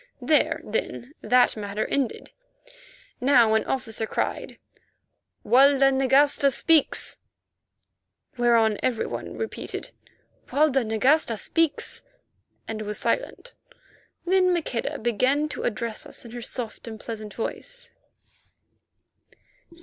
There, then, that matter ended. Now an officer cried: "Walda Nagasta speaks!" whereon every one repeated, "Walda Nagasta speaks," and was silent. Then Maqueda began to address us in her soft and pleasant voice.